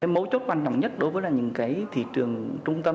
mấu chốt quan trọng nhất đối với những cái thị trường trung tâm